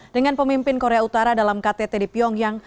dengan pemimpin korea utara dalam ktt di pyongyang